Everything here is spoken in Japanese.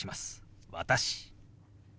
「私」。